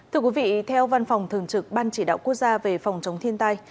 thưa quý vị theo văn phòng thường trực ban chỉ đạo quốc gia về phòng chống thiên tai